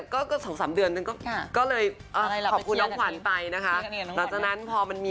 ก็สองสามเดือนนึงก็เลยขอบคุณน้องขวัญไปนะคะ